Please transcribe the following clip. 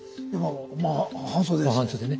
まあ半袖ですね。